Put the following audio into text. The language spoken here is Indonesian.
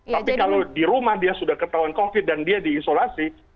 tapi kalau di rumah dia sudah ketahuan covid dan dia diisolasi